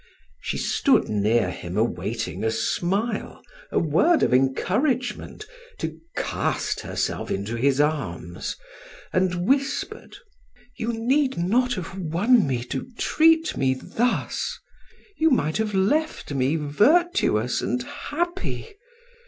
She stood near him awaiting a smile, a word of encouragement, to cast herself into his arms, and whispered: "You need not have won me to treat me thus; you might have left me virtuous and happy.